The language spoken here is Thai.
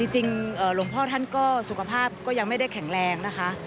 จริงหลวงพ่อท่านก็สุขภาพก็ยังไม่ได้แข็งแรงนะคะ